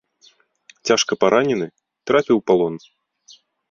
Цяжка паранены, трапіў у палон.